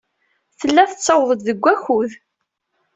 Tella tettaweḍ-d deg wakud.